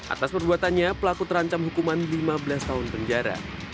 atas perbuatannya pelaku terancam hukuman lima belas tahun penjara